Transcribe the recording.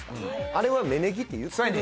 あれは「芽ネギ」って言ってるよね